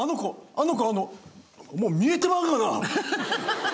あの子あのもう見えてまんがな。